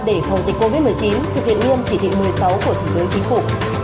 để phòng dịch covid một mươi chín thực hiện nghiêm chỉ thị một mươi sáu của thủ tướng chính phủ